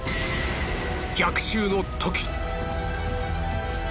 逆襲の時。